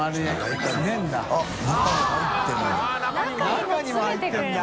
中にも入ってるんだ。